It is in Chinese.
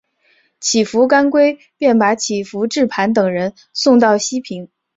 乞伏干归便把乞伏炽磐等人送到西平。